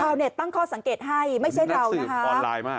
ชาวเน็ตตั้งข้อสังเกตให้ไม่ใช่เรานะคะนักศึกออนไลน์มาก